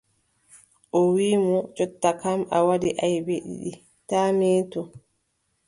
O wiʼi mo: jonta kam, a waɗi aybe ɗiɗi taa meetu.